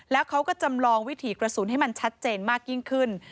แล้วเขาก็จำลองวิถีกระสุนให้มันชัดเจนมากยิ่งขึ้น